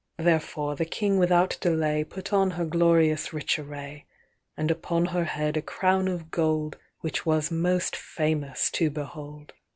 XXVIITherefore the King without delayPut on her glorious rich array, And upon her head a crown of goldWhich was most famous to behold.